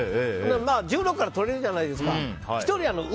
まあ１６からとれるじゃないですか。